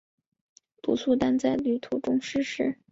鲁速丹在途中逝世。